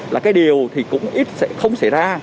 là cái điều thì cũng ít không xảy ra